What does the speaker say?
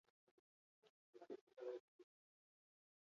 Norabide bakoitzerako atea jainko batek zaintzen du.